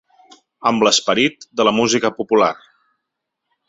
Amb l’esperit de la música popular.